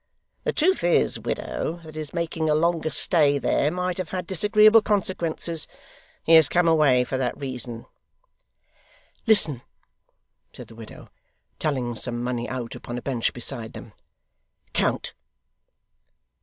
The truth is, widow, that his making a longer stay there might have had disagreeable consequences. He has come away for that reason.' 'Listen,' said the widow, telling some money out, upon a bench beside them. 'Count.